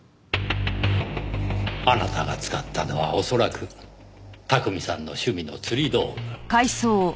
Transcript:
あなたが使ったのは恐らく巧さんの趣味の釣り道具。